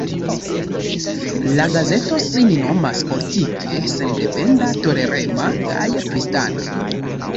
La gazeto sin nomas politike sendependa, tolerema kaj kristana.